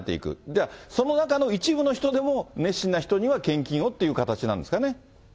じゃあ、その中の一部の人でも、熱心な人には献金をっていう形なんですかね。